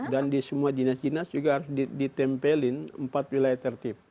dan di semua jinas jinas juga harus ditempelin empat wilayah tertib